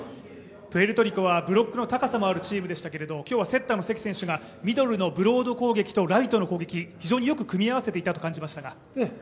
プエルトリコはブロックの高さもあるところですけども、今日は関選手がミドルのブロード攻撃とライトの攻撃非常に良く組み合わせていたと感じましたが？